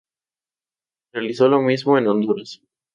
Realizó lo mismo en Honduras.